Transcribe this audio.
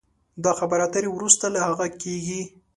دا خبرې اترې وروسته له هغه کېږي